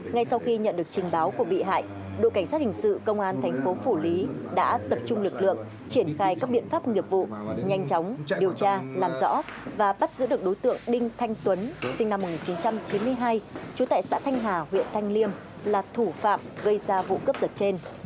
ngay sau khi nhận được trình báo của bị hại đội cảnh sát hình sự công an thành phố phủ lý đã tập trung lực lượng triển khai các biện pháp nghiệp vụ nhanh chóng điều tra làm rõ và bắt giữ được đối tượng đinh thanh tuấn sinh năm một nghìn chín trăm chín mươi hai trú tại xã thanh hà huyện thanh liêm là thủ phạm gây ra vụ cướp giật trên